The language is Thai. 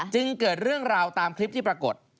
เกิดเรื่องราวตามคลิปที่ปรากฏ